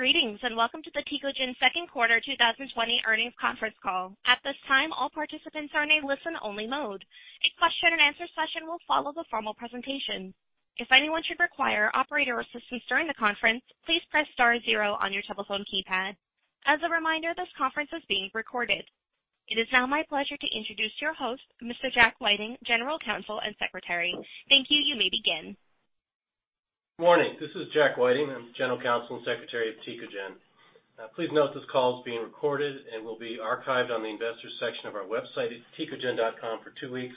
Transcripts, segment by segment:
Greetings, and welcome to the Tecogen second quarter 2020 earnings conference call. At this time, all participants are in a listen-only mode. A question-and-answer session will follow the formal presentation. If anyone should require operator assistance during the conference, please press star zero on your telephone keypad. As a reminder, this conference is being recorded. It is now my pleasure to introduce your host, Mr. Jack Whiting, General Counsel and Secretary. Thank you. You may begin. Morning. This is Jack Whiting. I'm General Counsel and Secretary of Tecogen. Please note this call is being recorded and will be archived on the investors section of our website at tecogen.com for 2 weeks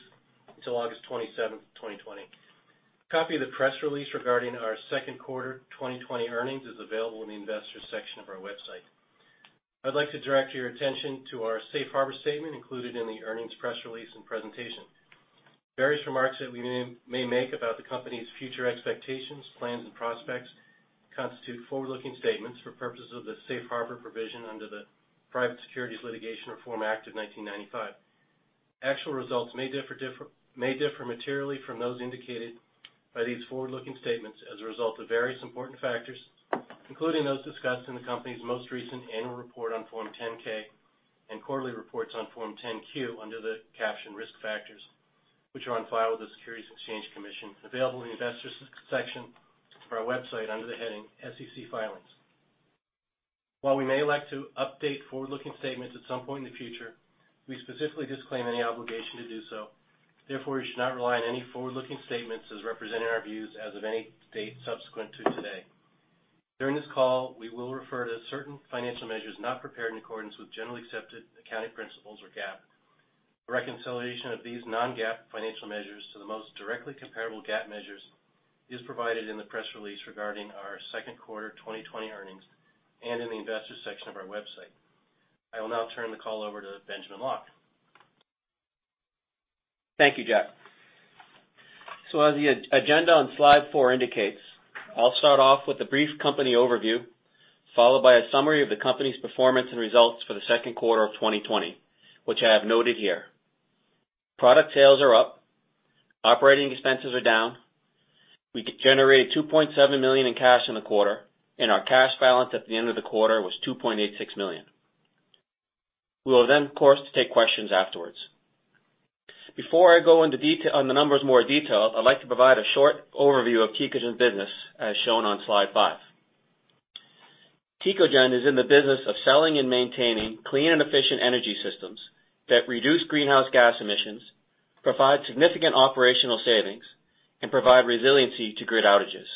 until August 27, 2020. A copy of the press release regarding our second quarter 2020 earnings is available in the investors section of our website. I'd like to direct your attention to our safe harbor statement included in the earnings press release and presentation. Various remarks that we may make about the company's future expectations, plans and prospects constitute forward-looking statements for purposes of the safe harbor provision under the Private Securities Litigation Reform Act of 1995. Actual results may differ materially from those indicated by these forward-looking statements as a result of various important factors, including those discussed in the company's most recent annual report on Form 10-K and quarterly reports on Form 10-Q under the caption Risk Factors, which are on file with the Securities and Exchange Commission, available in the investors section of our website under the heading SEC Filings. While we may elect to update forward-looking statements at some point in the future, we specifically disclaim any obligation to do so. Therefore, you should not rely on any forward-looking statements as representing our views as of any date subsequent to today. During this call, we will refer to certain financial measures not prepared in accordance with generally accepted accounting principles or GAAP. A reconciliation of these non-GAAP financial measures to the most directly comparable GAAP measures is provided in the press release regarding our second quarter 2020 earnings and in the investors section of our website. I will now turn the call over to Benjamin Locke. Thank you, Jack. As the agenda on slide 4 indicates, I'll start off with a brief company overview, followed by a summary of the company's performance and results for the second quarter of 2020, which I have noted here. Product sales are up. Operating expenses are down. We generated $2.7 million in cash in the quarter, and our cash balance at the end of the quarter was $2.86 million. We will of course, take questions afterwards. Before I go on the numbers in more detail, I'd like to provide a short overview of Tecogen business as shown on slide 5. Tecogen is in the business of selling and maintaining clean and efficient energy systems that reduce greenhouse gas emissions, provide significant operational savings, and provide resiliency to grid outages.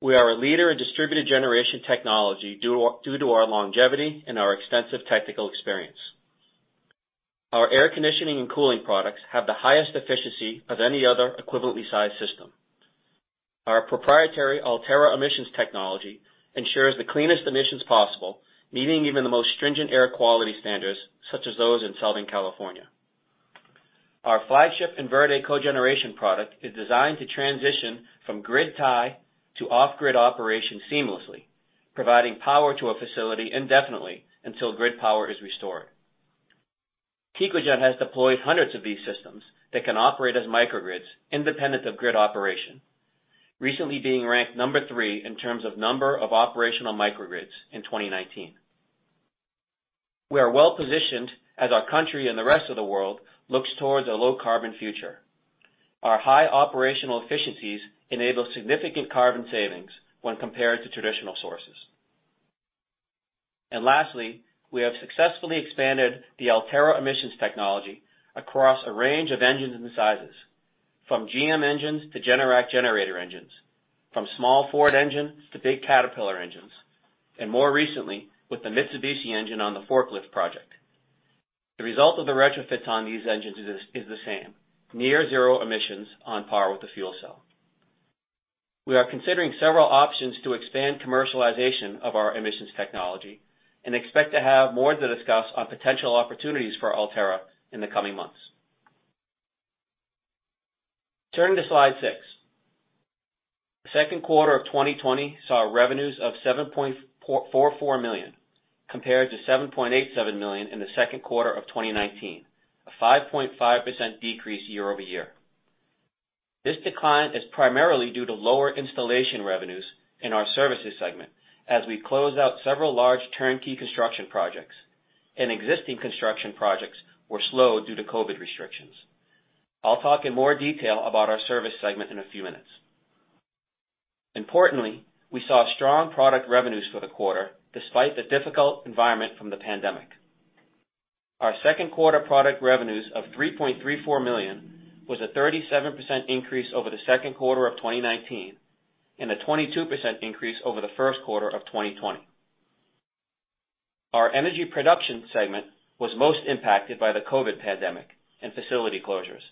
We are a leader in distributed generation technology due to our longevity and our extensive technical experience. Our air conditioning and cooling products have the highest efficiency of any other equivalently sized system. Our proprietary Ultera emissions technology ensures the cleanest emissions possible, meeting even the most stringent air quality standards, such as those in Southern California. Our flagship InVerde cogeneration product is designed to transition from grid tie to off-grid operation seamlessly, providing power to a facility indefinitely until grid power is restored. Tecogen has deployed hundreds of these systems that can operate as microgrids independent of grid operation, recently being ranked number 3 in terms of number of operational microgrids in 2019. We are well positioned as our country and the rest of the world looks towards a low carbon future. Our high operational efficiencies enable significant carbon savings when compared to traditional sources. Lastly, we have successfully expanded the Ultera emissions technology across a range of engines and sizes, from GM engines to Generac generator engines, from small Ford engines to big Caterpillar engines, and more recently with the Mitsubishi engine on the forklift project. The result of the retrofits on these engines is the same, near zero emissions on par with the fuel cell. We are considering several options to expand commercialization of our emissions technology and expect to have more to discuss on potential opportunities for Ultera in the coming months. Turning to slide 6. The second quarter of 2020 saw revenues of $7.44 million compared to $7.87 million in the second quarter of 2019, a 5.5% decrease year-over-year. This decline is primarily due to lower installation revenues in our services segment as we close out several large turnkey construction projects and existing construction projects were slowed due to COVID restrictions. I'll talk in more detail about our service segment in a few minutes. Importantly, we saw strong product revenues for the quarter despite the difficult environment from the pandemic. Our second quarter product revenues of $3.34 million was a 37% increase over the second quarter of 2019 and a 22% increase over the first quarter of 2020. Our energy production segment was most impacted by the COVID pandemic and facility closures,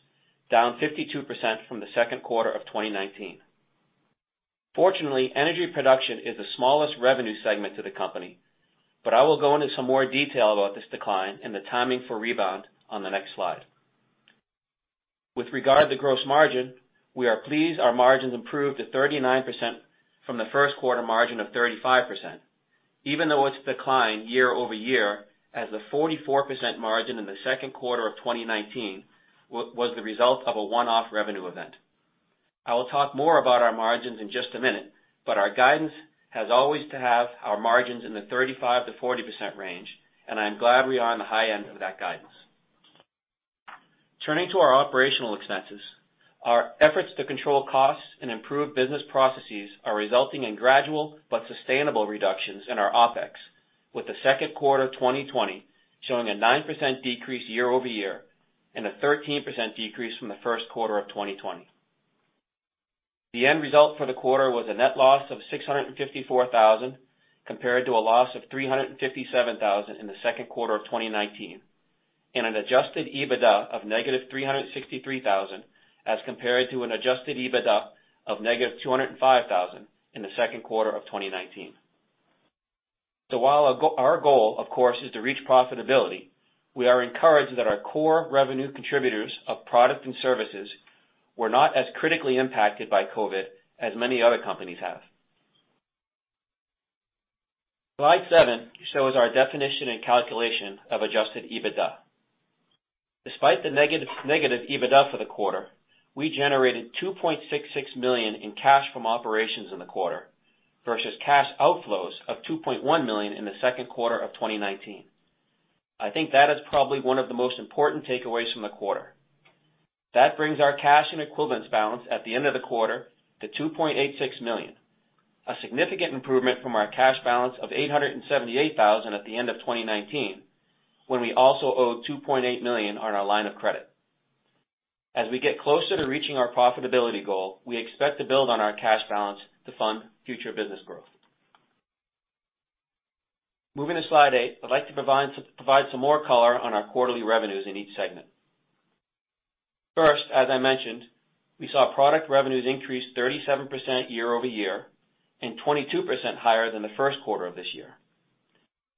down 52% from the second quarter of 2019. Fortunately, energy production is the smallest revenue segment to the company, but I will go into some more detail about this decline and the timing for rebound on the next slide. With regard to gross margin, we are pleased our margins improved to 39% from the first quarter margin of 35%. Even though it's declined year-over-year, a 44% margin in the second quarter of 2019 was the result of a one-off revenue event. I will talk more about our margins in just a minute, but our guidance has always to have our margins in the 35%-40% range, and I am glad we are on the high end of that guidance. Turning to our operational expenses, our efforts to control costs and improve business processes are resulting in gradual but sustainable reductions in our OPEX, with the second quarter 2020 showing a 9% decrease year-over-year and a 13% decrease from the first quarter of 2020. The end result for the quarter was a net loss of $654,000, compared to a loss of $357,000 in the second quarter of 2019, and an adjusted EBITDA of negative $363,000 as compared to an adjusted EBITDA of negative $205,000 in the second quarter of 2019. While our goal, of course, is to reach profitability, we are encouraged that our core revenue contributors of products and services were not as critically impacted by COVID as many other companies have. Slide seven shows our definition and calculation of adjusted EBITDA. Despite the negative EBITDA for the quarter, we generated $2.66 million in cash from operations in the quarter versus cash outflows of $2.1 million in the second quarter of 2019. I think that is probably one of the most important takeaways from the quarter. That brings our cash and equivalents balance at the end of the quarter to $2.86 million, a significant improvement from our cash balance of $878,000 at the end of 2019, when we also owed $2.8 million on our line of credit. As we get closer to reaching our profitability goal, we expect to build on our cash balance to fund future business growth. Moving to slide eight, I'd like to provide some more color on our quarterly revenues in each segment. First, as I mentioned, we saw product revenues increase 37% year-over-year and 22% higher than the first quarter of this year.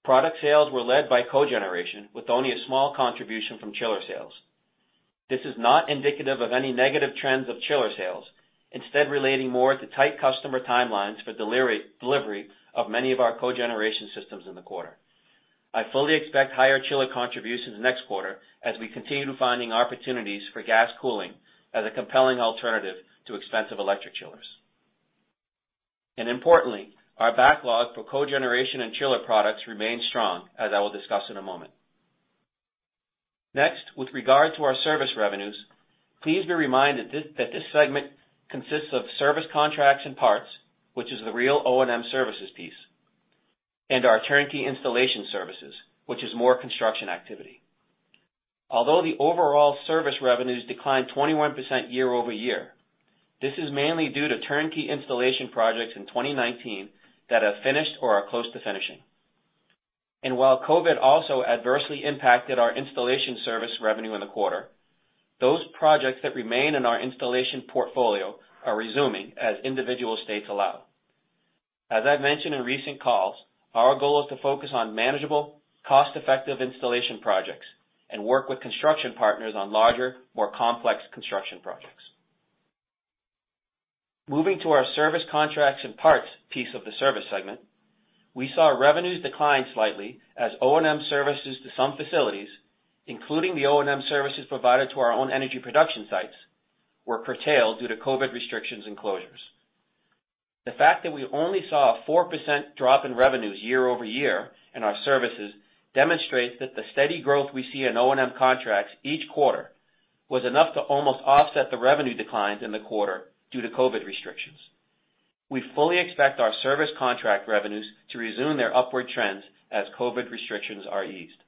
Product sales were led by cogeneration with only a small contribution from chiller sales. This is not indicative of any negative trends of chiller sales, instead relating more to tight customer timelines for delivery of many of our cogeneration systems in the quarter. I fully expect higher chiller contributions next quarter as we continue finding opportunities for gas cooling as a compelling alternative to expensive electric chillers. Importantly, our backlog for cogeneration and chiller products remains strong, as I will discuss in a moment. Next, with regard to our service revenues, please be reminded that this segment consists of service contracts and parts, which is the real O&M services piece, and our turnkey installation services, which is more construction activity. Although the overall service revenues declined 21% year-over-year, this is mainly due to turnkey installation projects in 2019 that have finished or are close to finishing. While COVID also adversely impacted our installation service revenue in the quarter, those projects that remain in our installation portfolio are resuming as individual states allow. As I've mentioned in recent calls, our goal is to focus on manageable, cost-effective installation projects and work with construction partners on larger, more complex construction projects. Moving to our service contracts and parts piece of the service segment, we saw revenues decline slightly as O&M services to some facilities, including the O&M services provided to our own energy production sites, were curtailed due to COVID restrictions and closures. The fact that we only saw a 4% drop in revenues year-over-year in our services demonstrates that the steady growth we see in O&M contracts each quarter was enough to almost offset the revenue declines in the quarter due to COVID restrictions. We fully expect our service contract revenues to resume their upward trends as COVID restrictions are eased.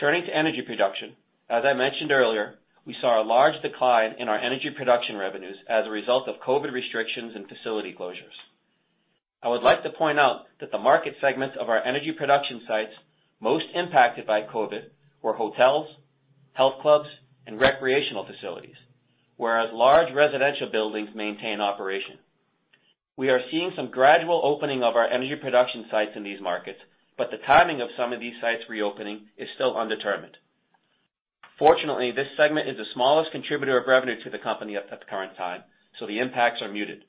Turning to energy production, as I mentioned earlier, we saw a large decline in our energy production revenues as a result of COVID restrictions and facility closures. I would like to point out that the market segments of our energy production sites most impacted by COVID were hotels, health clubs, and recreational facilities, whereas large residential buildings maintain operation. We are seeing some gradual opening of our energy production sites in these markets, but the timing of some of these sites reopening is still undetermined. Fortunately, this segment is the smallest contributor of revenue to the company at the current time, so the impacts are muted.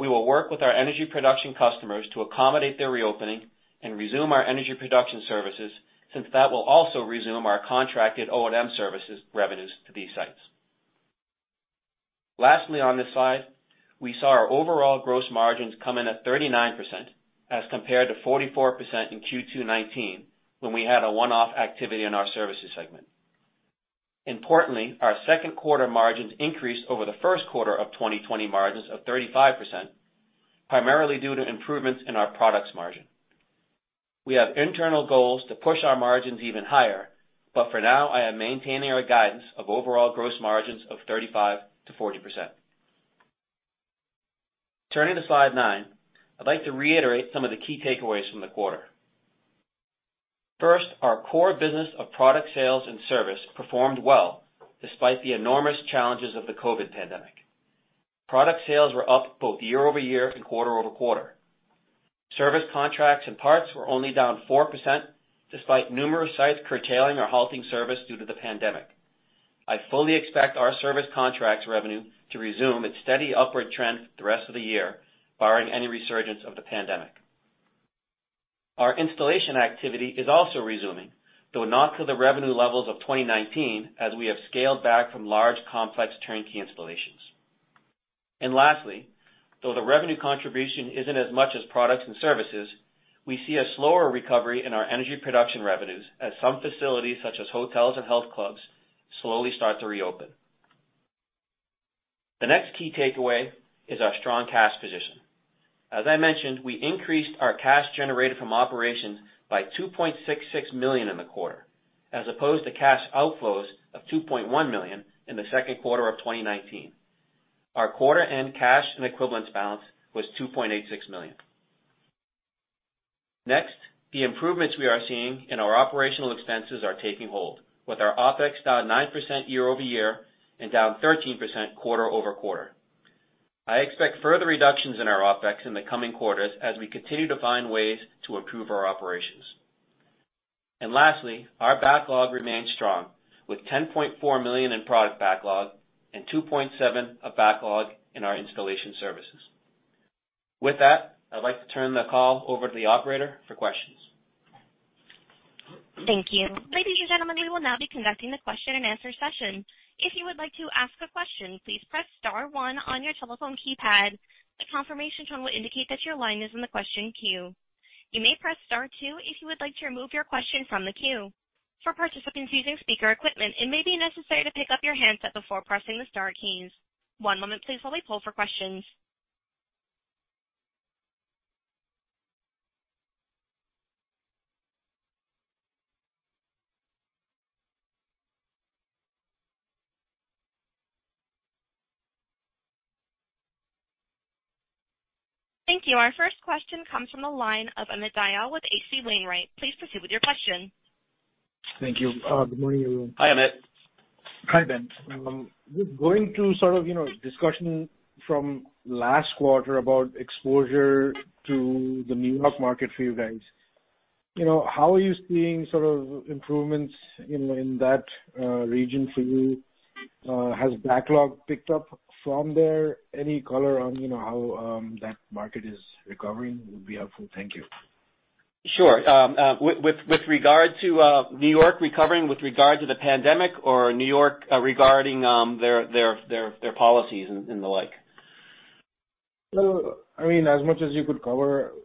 We will work with our energy production customers to accommodate their reopening and resume our energy production services, since that will also resume our contracted O&M services revenues to these sites. Lastly, on this slide, we saw our overall gross margins come in at 39% as compared to 44% in Q2 2019, when we had a one-off activity in our services segment. Importantly, our second quarter margins increased over the first quarter of 2020 margins of 35%, primarily due to improvements in our products margin. We have internal goals to push our margins even higher, but for now, I am maintaining our guidance of overall gross margins of 35%-40%. Turning to slide nine, I'd like to reiterate some of the key takeaways from the quarter. First, our core business of product sales and service performed well despite the enormous challenges of the COVID pandemic. Product sales were up both year-over-year and quarter-over-quarter. Service contracts and parts were only down 4%, despite numerous sites curtailing or halting service due to the pandemic. I fully expect our service contracts revenue to resume its steady upward trend the rest of the year, barring any resurgence of the pandemic. Our installation activity is also resuming, though not to the revenue levels of 2019, as we have scaled back from large, complex turnkey installations. Lastly, though the revenue contribution isn't as much as products and services, we see a slower recovery in our energy production revenues as some facilities, such as hotels and health clubs, slowly start to reopen. The next key takeaway is our strong cash position. As I mentioned, we increased our cash generated from operations by $2.66 million in the quarter, as opposed to cash outflows of $2.1 million in the second quarter of 2019. Our quarter-end cash and equivalents balance was $2.86 million. The improvements we are seeing in our operational expenses are taking hold, with our OPEX down 9% year-over-year and down 13% quarter-over-quarter. I expect further reductions in our OPEX in the coming quarters as we continue to find ways to improve our operations. Lastly, our backlog remains strong, with $10.4 million in product backlog and $2.7 of backlog in our installation services. With that, I'd like to turn the call over to the operator for questions. Thank you. Ladies and gentlemen, we will now be conducting the question and answer session. If you would like to ask a question, please press star one on your telephone keypad. The confirmation tone will indicate that your line is in the question queue. You may press star two if you would like to remove your question from the queue. For participants using speaker equipment, it may be necessary to pick up your handset before pressing the star keys. One moment please while we poll for questions. Thank you. Our first question comes from the line of Amit Dayal with H.C. Wainwright. Please proceed with your question. Thank you. Good morning, everyone. Hi, Amit. Hi, Ben. Just going through sort of discussion from last quarter about exposure to the New York market for you guys. How are you seeing sort of improvements in that region for you? Has backlog picked up from there? Any color on how that market is recovering would be helpful. Thank you. Sure. With regard to New York recovering with regard to the pandemic or New York regarding their policies and the like? Well, as much as you could cover. Yeah.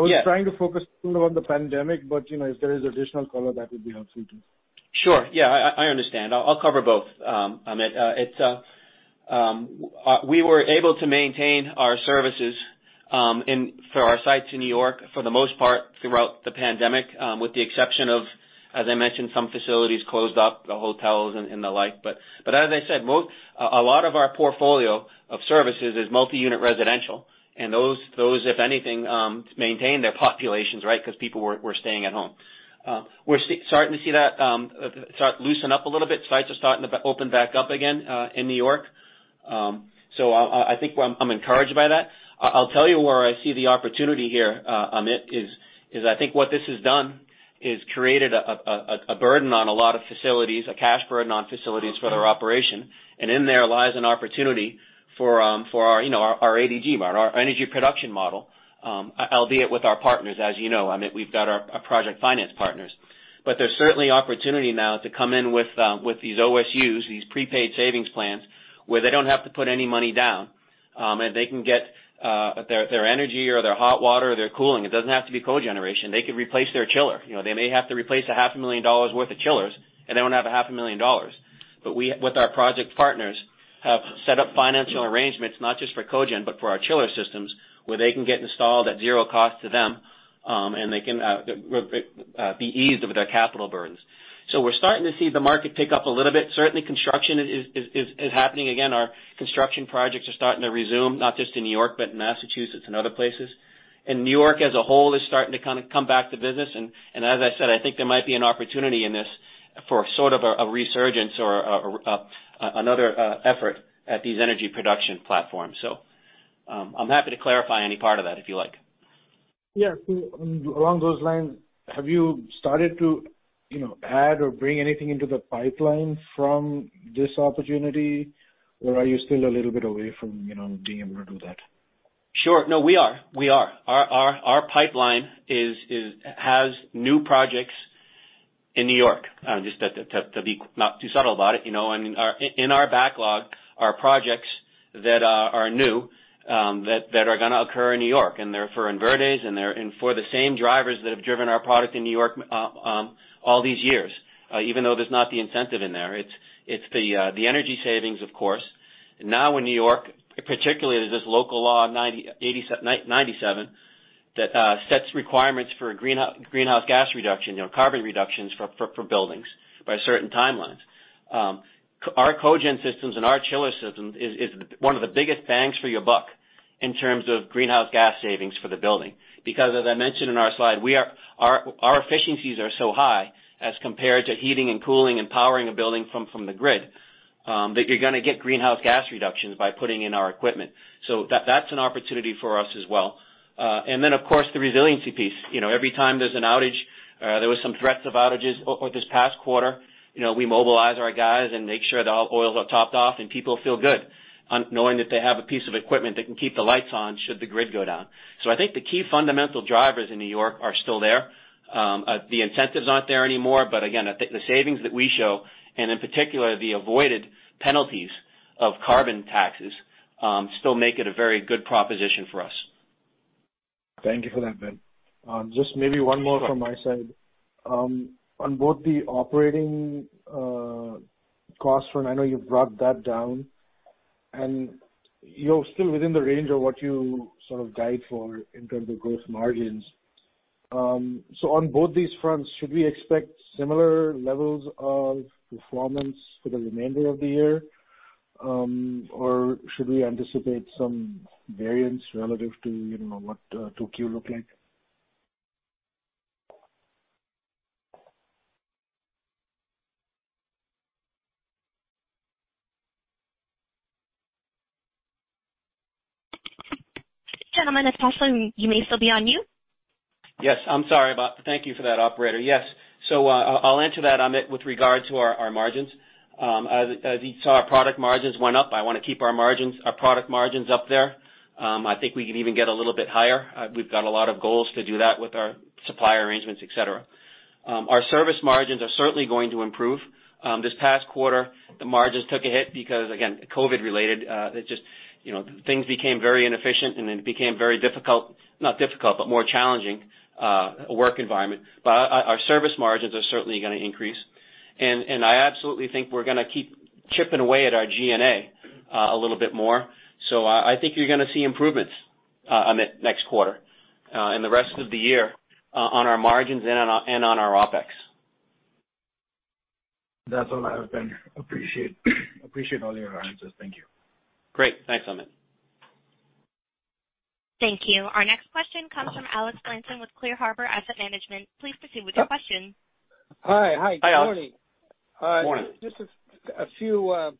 I was trying to focus more on the pandemic, but if there is additional color, that would be helpful, too. Sure. Yeah, I understand. I'll cover both, Amit. We were able to maintain our services for our sites in New York, for the most part, throughout the pandemic, with the exception of, as I mentioned, some facilities closed up, the hotels and the like. As I said, a lot of our portfolio of services is multi-unit residential, and those, if anything, maintained their populations, right? Because people were staying at home. We're starting to see that start loosen up a little bit. Sites are starting to open back up again in New York. I think I'm encouraged by that. I'll tell you where I see the opportunity here, Amit, is I think what this has done is created a burden on a lot of facilities, a cash burden on facilities for their operation. In there lies an opportunity for our ADG model, our energy production model, albeit with our partners. As you know, Amit, we've got our project finance partners. There's certainly opportunity now to come in with these OSUs, these prepaid savings plans, where they don't have to put any money down, and they can get their energy or their hot water or their cooling. It doesn't have to be cogeneration. They could replace their chiller. They may have to replace a half a million dollars worth of chillers, and they don't have a half a million dollars. With our project partners, have set up financial arrangements, not just for cogen, but for our chiller systems, where they can get installed at zero cost to them, and they can be eased of their capital burdens. We're starting to see the market pick up a little bit. Certainly, construction is happening again. Our construction projects are starting to resume, not just in New York, but in Massachusetts and other places. New York as a whole is starting to come back to business. As I said, I think there might be an opportunity in this for sort of a resurgence or another effort at these energy production platforms. I'm happy to clarify any part of that, if you like. Yeah. Along those lines, have you started to add or bring anything into the pipeline from this opportunity? Are you still a little bit away from being able to do that? Sure. No, we are. Our pipeline has new projects in New York, just to be not too subtle about it. In our backlog, are projects that are new that are going to occur in New York, and they're for InVerde, and for the same drivers that have driven our product in New York all these years, even though there's not the incentive in there. It's the energy savings, of course. Now in New York, particularly, there's this Local Law 97 that sets requirements for greenhouse gas reduction, carbon reductions for buildings by certain timelines. Our cogen systems and our chiller system is one of the biggest bangs for your buck in terms of greenhouse gas savings for the building. As I mentioned in our slide, our efficiencies are so high as compared to heating and cooling and powering a building from the grid, that you're going to get greenhouse gas reductions by putting in our equipment. That's an opportunity for us as well. Of course, the resiliency piece. Every time there's an outage, there was some threats of outages over this past quarter. We mobilize our guys and make sure that all oils are topped off and people feel good knowing that they have a piece of equipment that can keep the lights on should the grid go down. I think the key fundamental drivers in New York are still there. The incentives aren't there anymore, but again, I think the savings that we show, and in particular, the avoided penalties of carbon taxes, still make it a very good proposition for us. Thank you for that, Ben. Just maybe one more from my side. On both the operating costs, I know you've brought that down, and you're still within the range of what you sort of guide for in terms of gross margins. On both these fronts, should we expect similar levels of performance for the remainder of the year? Or should we anticipate some variance relative to what 2Q looked like? Gentlemen, it's Paslan. You may still be on mute. Yes. I'm sorry about that. Thank you for that, operator. Yes. I'll answer that, Amit, with regard to our margins. As you saw, our product margins went up. I want to keep our product margins up there. I think we can even get a little bit higher. We've got a lot of goals to do that with our supplier arrangements, et cetera. Our service margins are certainly going to improve. This past quarter, the margins took a hit because, again, COVID related. Things became very inefficient and it became very difficult, not difficult, but more challenging work environment. Our service margins are certainly going to increase. I absolutely think we're going to keep chipping away at our G&A a little bit more. I think you're going to see improvements, Amit, next quarter and the rest of the year on our margins and on our OPEX. That's all I have, Ben. Appreciate all your answers. Thank you. Great. Thanks, Amit. Thank you. Our next question comes from Alex Blanton with Clear Harbor Asset Management. Please proceed with your question. Hi. Hi, Alex. Good morning. Morning. Just a few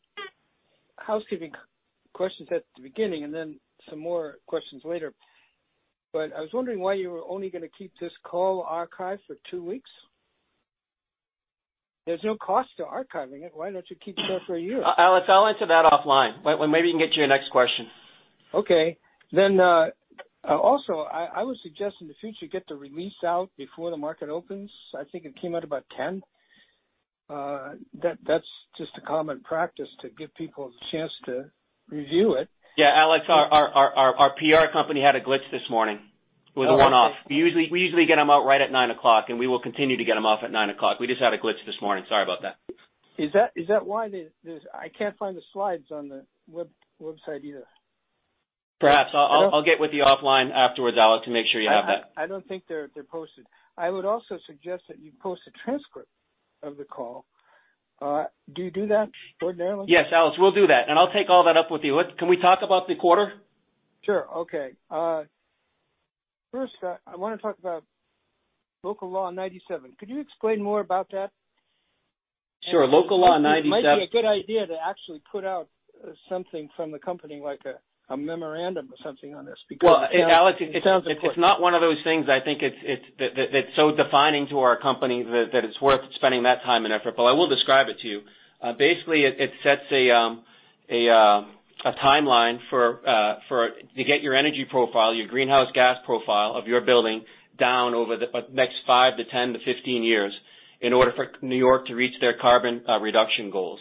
housekeeping questions at the beginning and then some more questions later. I was wondering why you were only going to keep this call archived for two weeks? There's no cost to archiving it. Why don't you keep it there for a year? Alex, I'll answer that offline. Maybe you can get to your next question. Also, I would suggest in the future, get the release out before the market opens. I think it came out about 10. That is just a common practice to give people the chance to review it. Yeah. Alex, our PR company had a glitch this morning. Okay. It was a one-off. We usually get them out right at nine o'clock. We will continue to get them off at nine o'clock. We just had a glitch this morning. Sorry about that. Is that why I can't find the slides on the website either? Perhaps. I'll get with you offline afterwards, Alex, to make sure you have that. I don't think they're posted. I would also suggest that you post a transcript of the call. Do you do that ordinarily? Yes, Alex, we'll do that. I'll take all that up with you. Can we talk about the quarter? Sure. Okay. First, I want to talk about Local Law 97. Could you explain more about that? Sure. Local Law 97. It might be a good idea to actually put out something from the company like a memorandum or something on this, because. Well, Alex. It sounds important It's not one of those things I think that's so defining to our company that it's worth spending that time and effort, but I will describe it to you. Basically, it sets a timeline to get your energy profile, your greenhouse gas profile of your building down over the next five to 10 to 15 years in order for New York to reach their carbon reduction goals.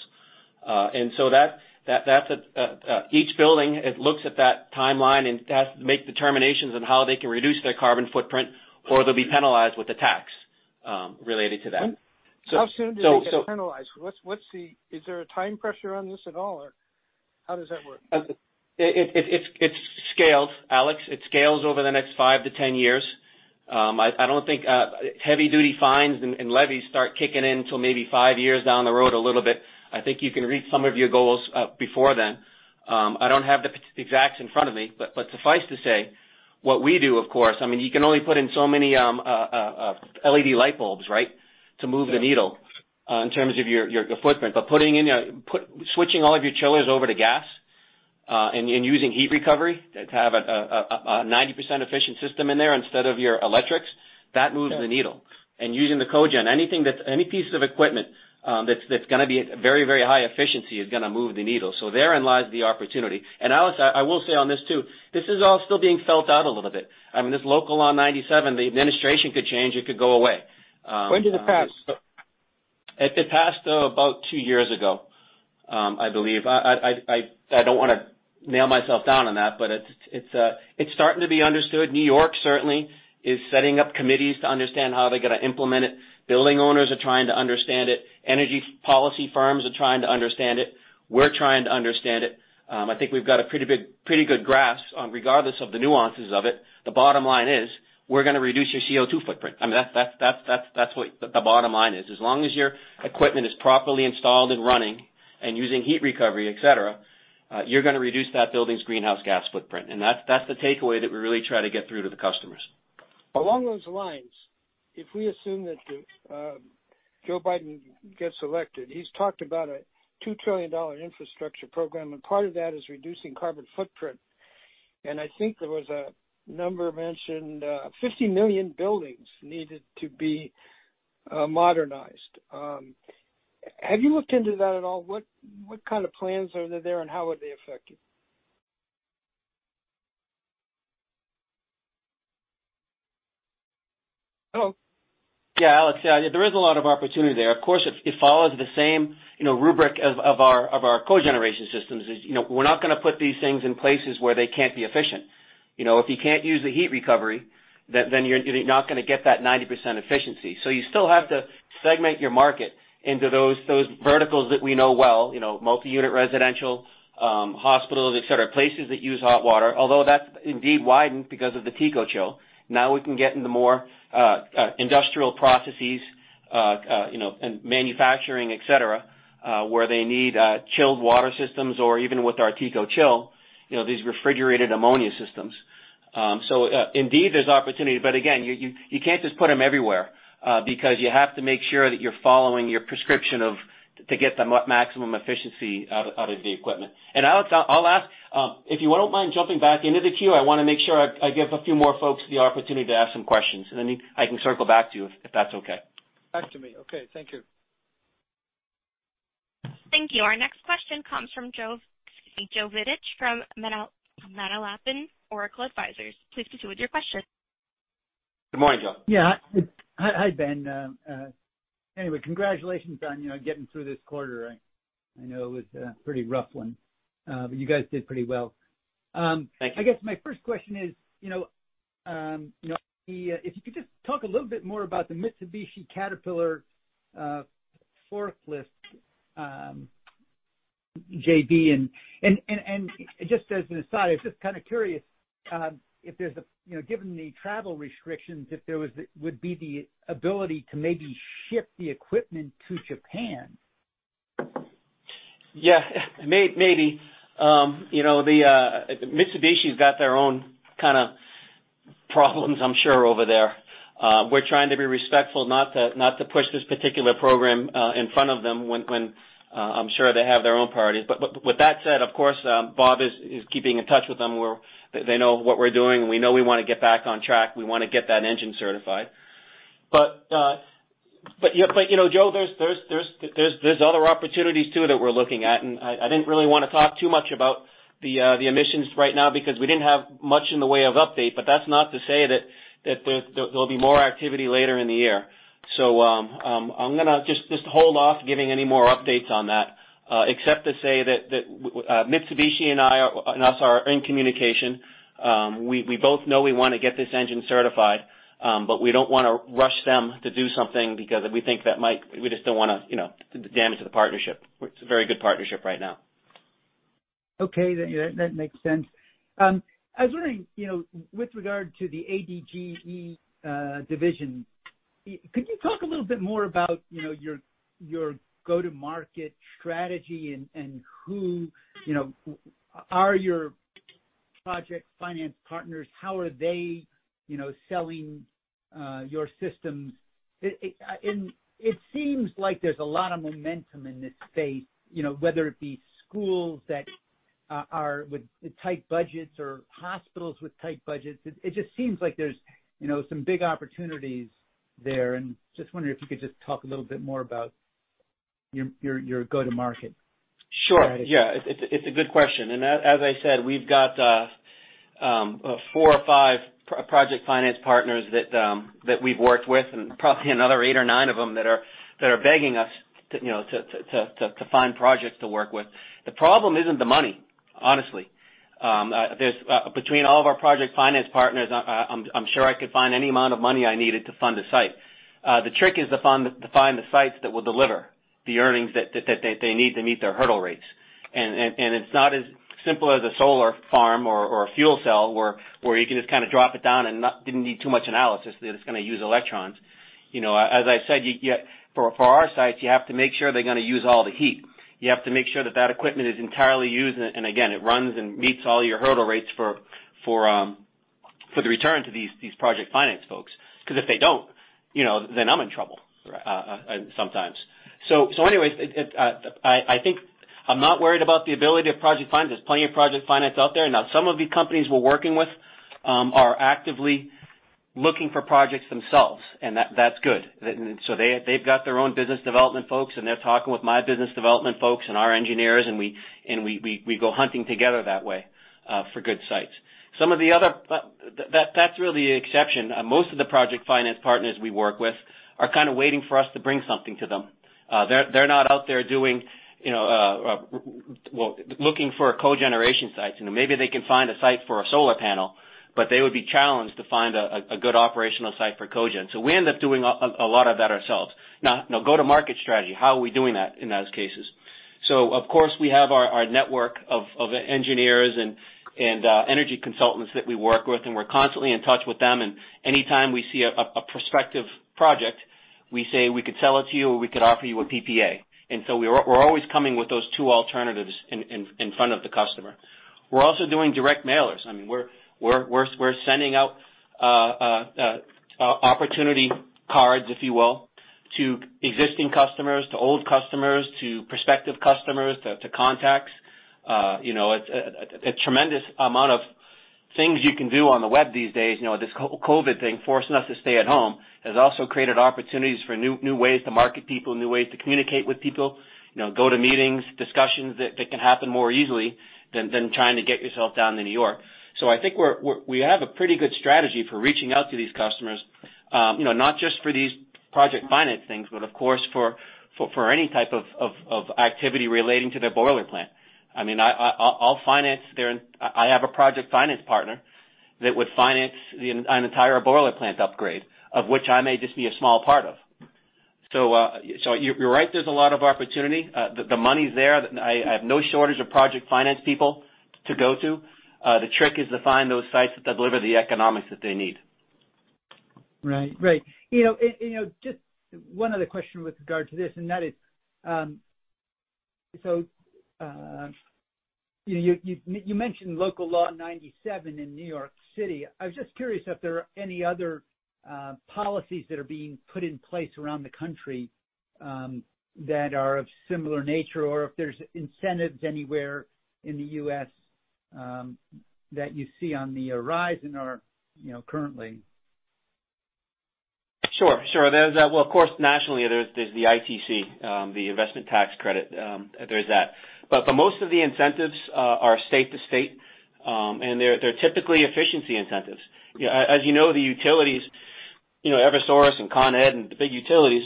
Each building, it looks at that timeline and has to make determinations on how they can reduce their carbon footprint, or they'll be penalized with a tax related to that. How soon do they get penalized? Is there a time pressure on this at all? How does that work? It's scaled, Alex. It scales over the next five to 10 years. I don't think heavy duty fines and levies start kicking in till maybe five years down the road a little bit. I think you can reach some of your goals before then. I don't have the exacts in front of me, but suffice to say, what we do, of course, you can only put in so many LED light bulbs, right? To move the needle in terms of your footprint. Switching all of your chillers over to gas and using heat recovery to have a 90% efficient system in there instead of your electrics, that moves the needle. Using the cogen. Any piece of equipment that's going to be very high efficiency is going to move the needle. Therein lies the opportunity. Alex, I will say on this, too, this is all still being felt out a little bit. This Local Law 97, the administration could change, it could go away. When did it pass? It passed about two years ago, I believe. I don't want to nail myself down on that, but it's starting to be understood. New York certainly is setting up committees to understand how they're going to implement it. Building owners are trying to understand it. Energy policy firms are trying to understand it. We're trying to understand it. I think we've got a pretty good grasp regardless of the nuances of it. The bottom line is we're going to reduce your CO2 footprint. That's what the bottom line is. As long as your equipment is properly installed and running and using heat recovery, et cetera, you're going to reduce that building's greenhouse gas footprint. That's the takeaway that we really try to get through to the customers. Along those lines, if we assume that Joe Biden gets elected, he's talked about a $2 trillion infrastructure program, and part of that is reducing carbon footprint. I think there was a number mentioned, 50 million buildings needed to be modernized. Have you looked into that at all? What kind of plans are there, and how would they affect you? Hello? Alex, there is a lot of opportunity there. Of course, it follows the same rubric of our cogeneration systems is, we're not going to put these things in places where they can't be efficient. If you can't use the heat recovery, then you're not going to get that 90% efficiency. You still have to segment your market into those verticals that we know well, multi-unit residential, hospitals, et cetera, places that use hot water. Although that's indeed widened because of the TECOCHILL. Now we can get into more industrial processes, and manufacturing, et cetera, where they need chilled water systems or even with our TECOCHILL, these refrigerated ammonia systems. Indeed, there's opportunity, but again, you can't just put them everywhere, because you have to make sure that you're following your prescription to get the maximum efficiency out of the equipment. Alex, I'll ask, if you wouldn't mind jumping back into the queue, I want to make sure I give a few more folks the opportunity to ask some questions, and then I can circle back to you, if that's okay. Back to me. Okay. Thank you. Thank you. Our next question comes from Joseph Vidich from Manalapan Oracle Capital Management. Please proceed with your question. Good morning, Joe. Hi, Ben. Congratulations on getting through this quarter. I know it was a pretty rough one. You guys did pretty well. Thank you. I guess my first question is, if you could just talk a little bit more about the Mitsubishi Caterpillar forklift JV, just as an aside, I was just kind of curious, given the travel restrictions, if there would be the ability to maybe ship the equipment to Japan. Yeah. Maybe. Mitsubishi's got their own kind of problems, I'm sure, over there. We're trying to be respectful not to push this particular program in front of them when I'm sure they have their own priorities. With that said, of course, Bob is keeping in touch with them, where they know what we're doing, and we know we want to get back on track. We want to get that engine certified. Joe, there's other opportunities, too, that we're looking at, and I didn't really want to talk too much about the emissions right now because we didn't have much in the way of update, but that's not to say that there'll be more activity later in the year. I'm gonna just hold off giving any more updates on that, except to say that Mitsubishi and us are in communication. We both know we want to get this engine certified, but we don't want to rush them to do something because we just don't want to damage the partnership. It's a very good partnership right now. Okay. That makes sense. I was wondering, with regard to the ADGE division, could you talk a little bit more about your go-to-market strategy and who are your project finance partners? How are they selling your systems? It seems like there's a lot of momentum in this space, whether it be schools that are with tight budgets or hospitals with tight budgets. It just seems like there's some big opportunities there and just wondering if you could just talk a little bit more about your go-to-market. Sure. Yeah. It's a good question. As I said, we've got four or five project finance partners that we've worked with and probably another eight or nine of them that are begging us to find projects to work with. The problem isn't the money, honestly. Between all of our project finance partners, I'm sure I could find any amount of money I needed to fund a site. The trick is to find the sites that will deliver the earnings that they need to meet their hurdle rates. It's not as simple as a solar farm or a fuel cell where you can just kind of drop it down and didn't need too much analysis that it's gonna use electrons. As I said, for our sites, you have to make sure they're gonna use all the heat. You have to make sure that that equipment is entirely used, again, it runs and meets all your hurdle rates for the return to these project finance folks. Because if they don't, then I am in trouble sometimes. anyways, I think I am not worried about the ability of project finance. There is plenty of project finance out there. Some of the companies we are working with are actively looking for projects themselves, and that is good. They have got their own business development folks and they are talking with my business development folks and our engineers and we go hunting together that way for good sites. That is really the exception. Most of the project finance partners we work with are kind of waiting for us to bring something to them. They are not out there looking for cogeneration sites. Maybe they can find a site for a solar panel, but they would be challenged to find a good operational site for cogen. We end up doing a lot of that ourselves. go-to-market strategy, how are we doing that in those cases? Of course we have our network of engineers and energy consultants that we work with and we are constantly in touch with them and anytime we see a prospective project we say we could sell it to you or we could offer you a PPA. We are always coming with those two alternatives in front of the customer. We are also doing direct mailers. We are sending out opportunity cards, if you will, to existing customers, to old customers, to prospective customers, to contacts. A tremendous amount of things you can do on the web these days. This COVID thing forcing us to stay at home has also created opportunities for new ways to market people, new ways to communicate with people, go to meetings, discussions that can happen more easily than trying to get yourself down to N.Y. I think we have a pretty good strategy for reaching out to these customers. Not just for these project finance things, but of course, for any type of activity relating to their boiler plant. I have a project finance partner that would finance an entire boiler plant upgrade, of which I may just be a small part of. you are right, there is a lot of opportunity. The money is there. I have no shortage of project finance people to go to. The trick is to find those sites that deliver the economics that they need. Right. Just one other question with regard to this, and that is, you mentioned Local Law 97 in New York City. I was just curious if there are any other policies that are being put in place around the country that are of similar nature, or if there is incentives anywhere in the U.S. that you see on the horizon or currently. Sure. Well, of course, nationally, there's the ITC, the investment tax credit. There's that. Most of the incentives are state to state, and they're typically efficiency incentives. As you know, the utilities, Eversource and Con Ed and the big utilities,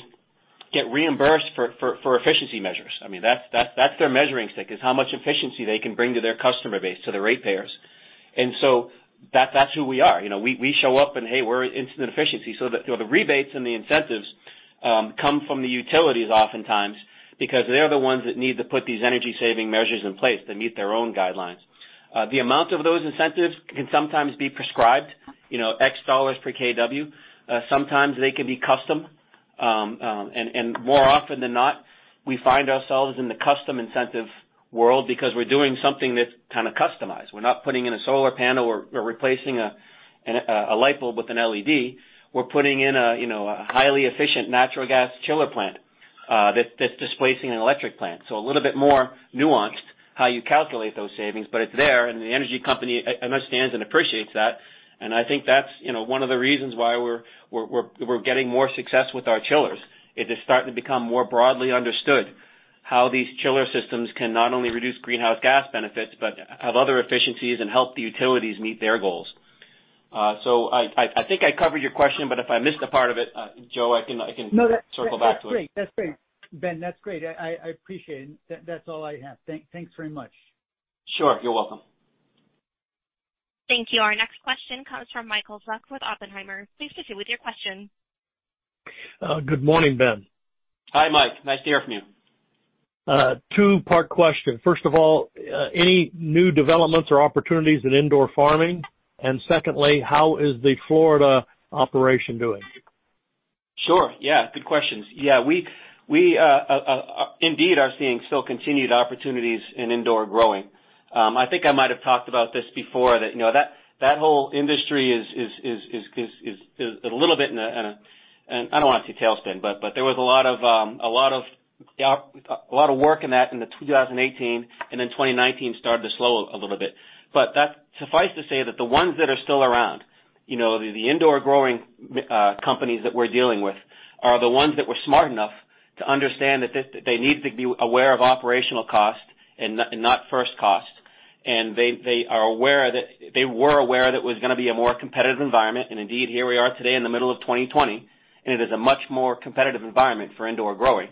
get reimbursed for efficiency measures. That's their measuring stick, is how much efficiency they can bring to their customer base, to the ratepayers. That's who we are. We show up and hey, we're incident efficiency. The rebates and the incentives come from the utilities oftentimes because they're the ones that need to put these energy-saving measures in place to meet their own guidelines. The amount of those incentives can sometimes be prescribed, X dollars per kW. Sometimes they can be custom. More often than not, we find ourselves in the custom incentive world because we're doing something that's kind of customized. We're not putting in a solar panel or replacing a light bulb with an LED. We're putting in a highly efficient natural gas chiller plant that's displacing an electric plant. A little bit more nuanced how you calculate those savings, but it's there, and the energy company understands and appreciates that, and I think that's one of the reasons why we're getting more success with our chillers. It is starting to become more broadly understood how these chiller systems can not only reduce greenhouse gas benefits, but have other efficiencies and help the utilities meet their goals. I think I covered your question, but if I missed a part of it, Joe, I can circle back to it. That's great. Ben, that's great. I appreciate it. That's all I have. Thanks very much. Sure. You're welcome. Thank you. Our next question comes from Michael Zuck with Oppenheimer. Please proceed with your question. Good morning, Ben. Hi, Mike. Nice to hear from you. Two-part question. First of all, any new developments or opportunities in indoor farming? Secondly, how is the Florida operation doing? Sure. Good questions. We indeed are seeing still continued opportunities in indoor growing. I think I might have talked about this before, that whole industry is a little bit in a, I don't want to say tailspin, there was a lot of work in that in 2018, 2019 started to slow a little bit. Suffice to say that the ones that are still around, the indoor growing companies that we're dealing with, are the ones that were smart enough to understand that they need to be aware of operational cost and not first cost. They were aware that it was going to be a more competitive environment. Indeed, here we are today in the middle of 2020, and it is a much more competitive environment for indoor growing.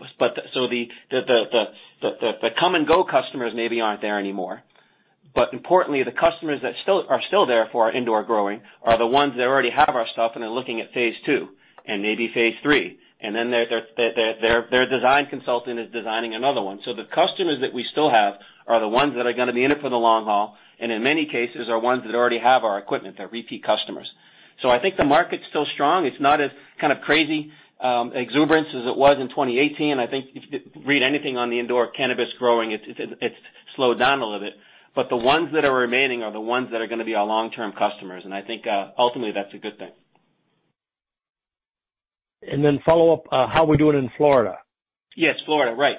The come-and-go customers maybe aren't there anymore. Importantly, the customers that are still there for our indoor growing are the ones that already have our stuff and are looking at phase 2 and maybe phase 3. Their design consultant is designing another one. The customers that we still have are the ones that are going to be in it for the long haul, and in many cases, are ones that already have our equipment. They're repeat customers. I think the market's still strong. It's not as kind of crazy exuberance as it was in 2018. I think if you read anything on the indoor cannabis growing, it's slowed down a little bit. The ones that are remaining are the ones that are going to be our long-term customers, and I think ultimately, that's a good thing. Follow up, how are we doing in Florida? Yes, Florida, right.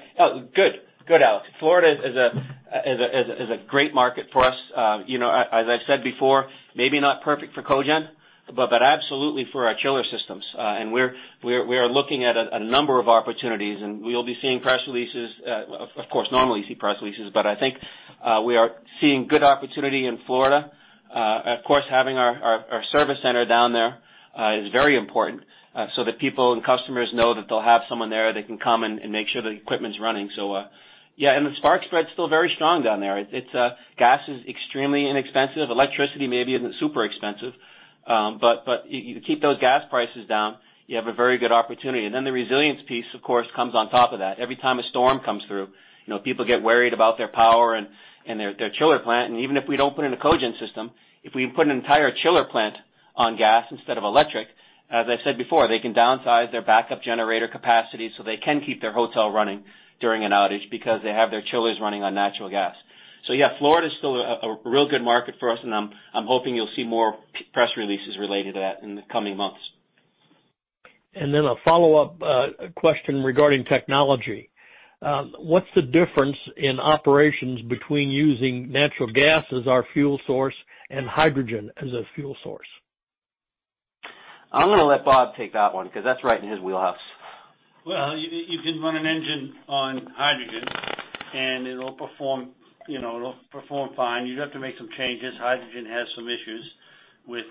Good. Good, Alex. Florida is a great market for us. As I said before, maybe not perfect for cogen, but absolutely for our chiller systems. We are looking at a number of opportunities, and we will be seeing press releases. Of course, normally see press releases, but I think we are seeing good opportunity in Florida. Of course, having our service center down there is very important so that people and customers know that they'll have someone there, they can come and make sure the equipment's running. The spark spread's still very strong down there. Gas is extremely inexpensive. Electricity maybe isn't super expensive. You keep those gas prices down, you have a very good opportunity. The resilience piece, of course, comes on top of that. Every time a storm comes through, people get worried about their power and their chiller plant. Even if we don't put in a cogen system, if we can put an entire chiller plant on gas instead of electric. As I said before, they can downsize their backup generator capacity so they can keep their hotel running during an outage because they have their chillers running on natural gas. Yeah, Florida's still a real good market for us, and I'm hoping you'll see more press releases related to that in the coming months. Then a follow-up question regarding technology. What's the difference in operations between using natural gas as our fuel source and hydrogen as a fuel source? I'm gonna let Bob take that one, because that's right in his wheelhouse. Well, you can run an engine on hydrogen, and it'll perform fine. You'd have to make some changes. Hydrogen has some issues with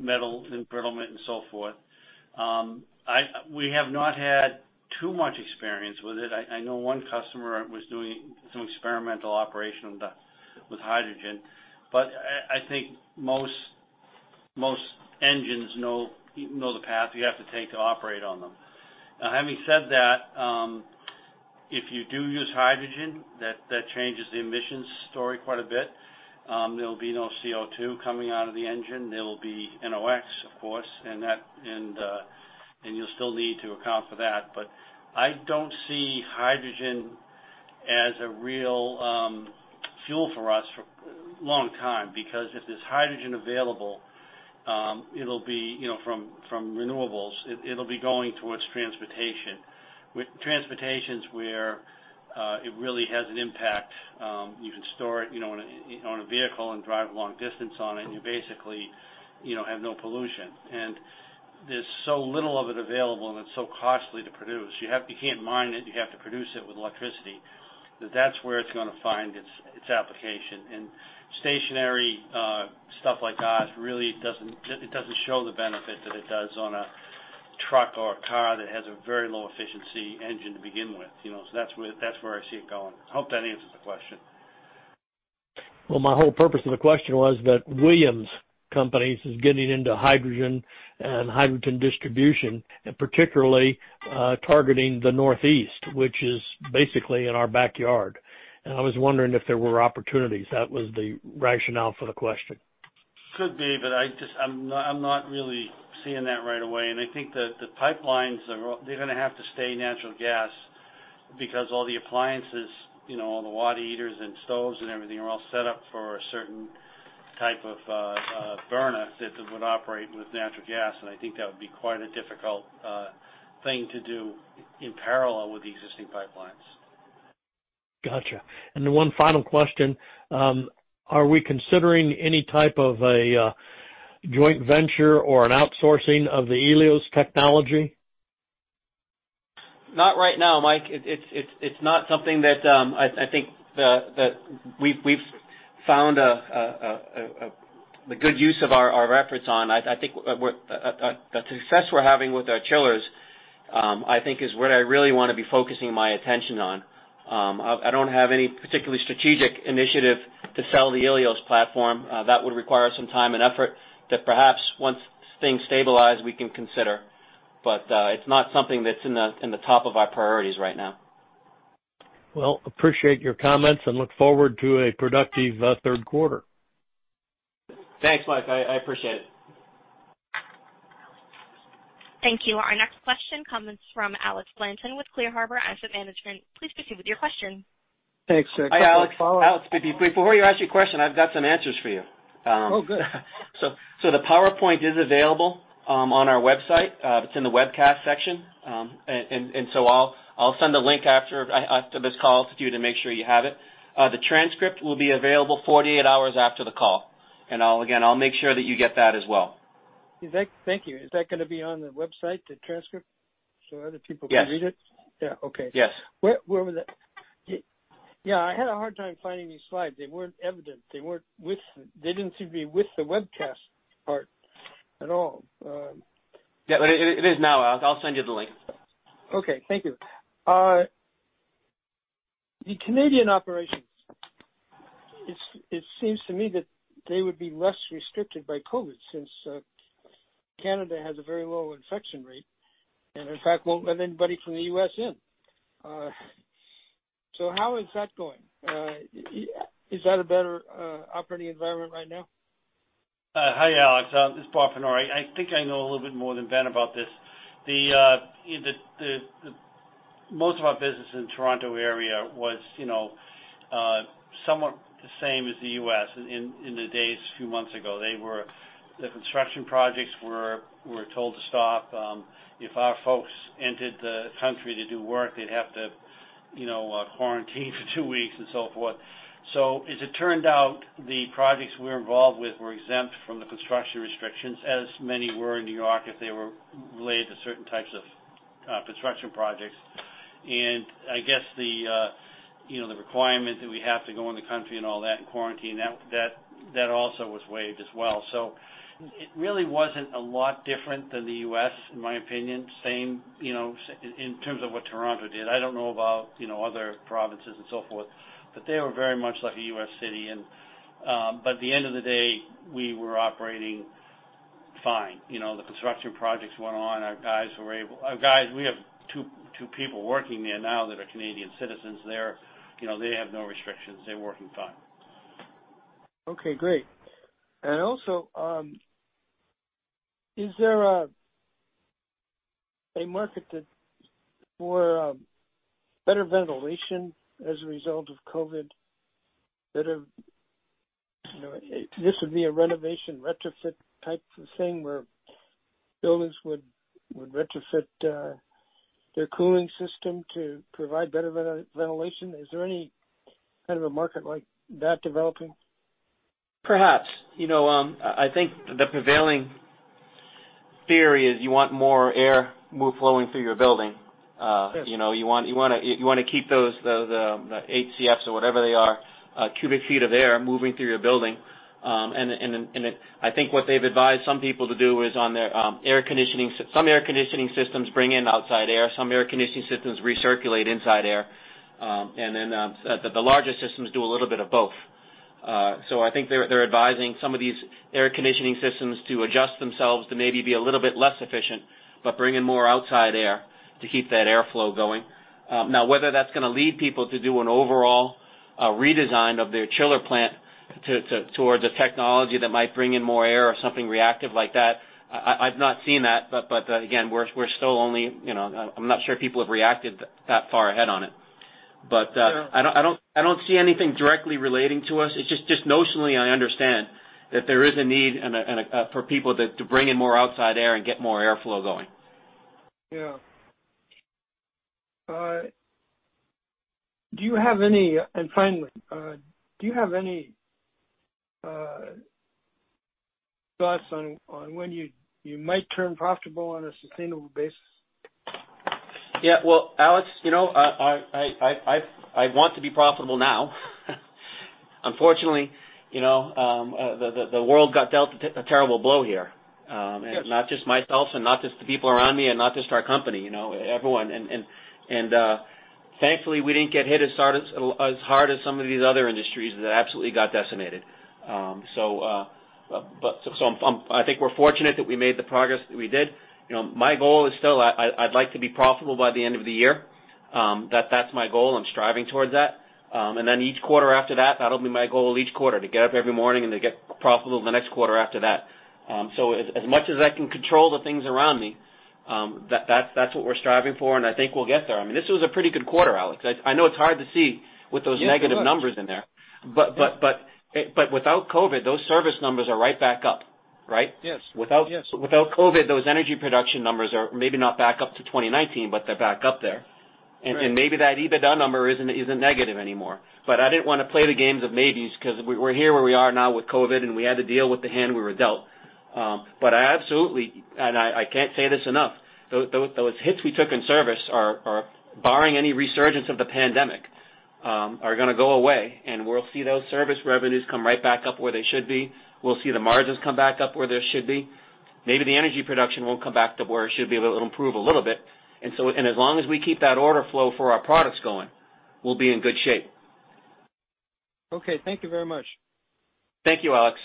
metal embrittlement and so forth. We have not had too much experience with it. I know one customer was doing some experimental operation with hydrogen. I think most engines know the path you have to take to operate on them. Having said that, if you do use hydrogen, that changes the emissions story quite a bit. There'll be no CO2 coming out of the engine. There'll be NOX, of course, and you'll still need to account for that. I don't see hydrogen as a real fuel for us for a long time, because if there's hydrogen available from renewables, it'll be going towards transportation. With transportation's where it really has an impact. You can store it in a vehicle and drive a long distance on it, you basically have no pollution. There's so little of it available, and it's so costly to produce. You can't mine it, you have to produce it with electricity. That's where it's going to find its application. Stationary stuff like ours really doesn't show the benefit that it does on a truck or a car that has a very low-efficiency engine to begin with. That's where I see it going. I hope that answers the question. Well, my whole purpose of the question was that Williams Companies is getting into hydrogen and hydrogen distribution, and particularly targeting the Northeast, which is basically in our backyard. I was wondering if there were opportunities. That was the rationale for the question. Could be, but I'm not really seeing that right away. I think the pipelines, they're going to have to stay natural gas because all the appliances, all the water heaters and stoves and everything are all set up for a certain type of burner that would operate with natural gas. I think that would be quite a difficult thing to do in parallel with the existing pipelines. Gotcha. One final question. Are we considering any type of a joint venture or an outsourcing of the Ilios technology? Not right now, Mike. It's not something that I think that we've found a good use of our efforts on. I think the success we're having with our chillers, I think is what I really want to be focusing my attention on. I don't have any particular strategic initiative to sell the Ilios platform. That would require some time and effort that perhaps once things stabilize, we can consider. It's not something that's in the top of our priorities right now. Appreciate your comments and look forward to a productive third quarter. Thanks, Mike. I appreciate it. Thank you. Our next question comes from Alex Blanton with Clear Harbor Asset Management. Please proceed with your question. Thanks. A couple of follow-ups. Hi, Alex. Alex, to be brief, before you ask your question, I've got some answers for you. Oh, good. The PowerPoint is available on our website. It's in the webcast section. I'll send a link after this call to you to make sure you have it. The transcript will be available 48 hours after the call. I'll, again, I'll make sure that you get that as well. Thank you. Is that gonna be on the website, the transcript, so other people can read it? Yes. Yeah, okay. Yes. Where was it? Yeah, I had a hard time finding these slides. They weren't evident. They didn't seem to be with the webcast part at all. Yeah, it is now, Alex. I'll send you the link. Okay, thank you. The Canadian operations, it seems to me that they would be less restricted by COVID since Canada has a very low infection rate, and in fact, won't let anybody from the U.S. in. How is that going? Is that a better operating environment right now? Hi, Alex. It's Bob Fenore. I think I know a little bit more than Ben about this. Most of our business in the Toronto area was somewhat the same as the U.S. in the days, a few months ago. The construction projects were told to stop. If our folks entered the country to do work, they'd have to quarantine for two weeks and so forth. As it turned out, the projects we were involved with were exempt from the construction restrictions, as many were in N.Y., if they were related to certain types of construction projects. I guess the requirement that we have to go in the country and all that and quarantine, that also was waived as well. It really wasn't a lot different than the U.S. in my opinion, same in terms of what Toronto did. I don't know about other provinces and so forth, but they were very much like a U.S. city. At the end of the day, we were operating fine. The construction projects went on. Our guys, we have two people working there now that are Canadian citizens there. They have no restrictions. They're working fine. Okay, great. Is there a market for better ventilation as a result of COVID? This would be a renovation retrofit type of thing where builders would retrofit their cooling system to provide better ventilation. Is there any kind of a market like that developing? Perhaps. I think the prevailing theory is you want more air flowing through your building. Yes. You want to keep those CFMs or whatever they are, cubic feet of air, moving through your building. I think what they've advised some people to do is on some air conditioning systems, bring in outside air. Some air conditioning systems recirculate inside air. Then the larger systems do a little bit of both. I think they're advising some of these air conditioning systems to adjust themselves to maybe be a little bit less efficient, but bring in more outside air to keep that airflow going. Whether that's going to lead people to do an overall redesign of their chiller plant towards a technology that might bring in more air or something reactive like that, I've not seen that. Again, I'm not sure people have reacted that far ahead on it. Sure I don't see anything directly relating to us. It's just notionally I understand that there is a need for people to bring in more outside air and get more airflow going. Yeah. Finally, do you have any thoughts on when you might turn profitable on a sustainable basis? Yeah. Well, Alex, I want to be profitable now. Unfortunately, the world got dealt a terrible blow here. Yes. Not just myself, not just the people around me, not just our company, everyone. Thankfully, we didn't get hit as hard as some of these other industries that absolutely got decimated. I think we're fortunate that we made the progress that we did. My goal is still, I'd like to be profitable by the end of the year. That's my goal. I'm striving towards that. Each quarter after that'll be my goal each quarter, to get up every morning and to get profitable the next quarter after that. As much as I can control the things around me, that's what we're striving for, and I think we'll get there. This was a pretty good quarter, Alex. I know it's hard to see with those. Yes, it was. negative numbers in there. Without COVID, those service numbers are right back up, right? Yes. Without COVID, those energy production numbers are maybe not back up to 2019, but they're back up there. Right. Maybe that EBITDA number isn't negative anymore. I didn't want to play the games of maybes because we're here where we are now with COVID, and we had to deal with the hand we were dealt. I absolutely, and I can't say this enough, those hits we took in service are, barring any resurgence of the pandemic, are going to go away, and we'll see those service revenues come right back up where they should be. We'll see the margins come back up where they should be. Maybe the energy production won't come back to where it should be, but it'll improve a little bit. As long as we keep that order flow for our products going, we'll be in good shape. Okay. Thank you very much. Thank you, Alex.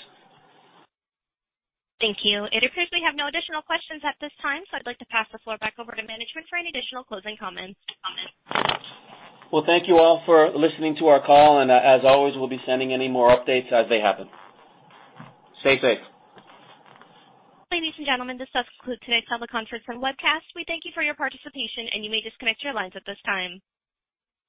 Thank you. It appears we have no additional questions at this time, so I'd like to pass the floor back over to management for any additional closing comments. Well, thank you all for listening to our call, and as always, we'll be sending any more updates as they happen. Stay safe. Ladies and gentlemen, this does conclude tonight's public conference and webcast. We thank you for your participation, and you may disconnect your lines at this time.